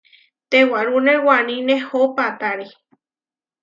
Tewarúne waní nehó paʼtári.